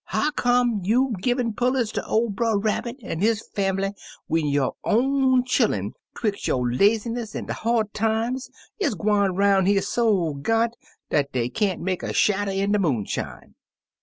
*How come you givin' pullets ter ol' Brer Rabbit an' his fambly, when yo' own chillun, 'twix' yo' laziness an' de hard times, is gwine roun' here so ga'nt dat dey can't make a shadder in de moonshine